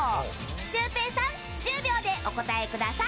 シュウペイさん１０秒でお答えください。